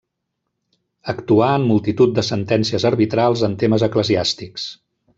Actuà en multitud de sentències arbitrals en temes eclesiàstics.